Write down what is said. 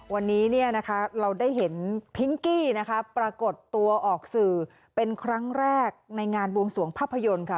วันนี้เราได้เห็นพิงกี้นะคะปรากฏตัวออกสื่อเป็นครั้งแรกในงานบวงสวงภาพยนตร์ค่ะ